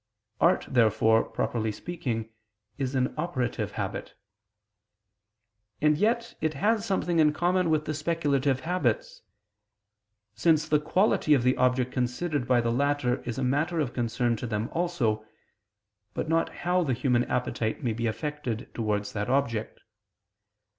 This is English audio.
Art, therefore, properly speaking, is an operative habit. And yet it has something in common with the speculative habits: since the quality of the object considered by the latter is a matter of concern to them also, but not how the human appetite may be affected towards that object.